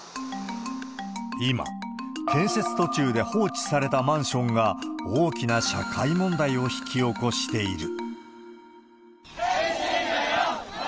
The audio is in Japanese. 今、建設途中で放置されたマンションが大きな社会問題を引き起こしている。